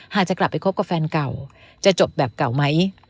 หากจะกลับไปคบกับแฟนเก่าจะจบแบบเก่าไหม